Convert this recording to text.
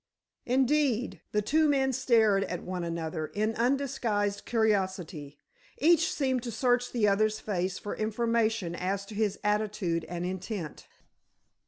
Indeed, the two men stared at one another, in undisguised curiosity. Each seemed to search the other's face for information as to his attitude and intent.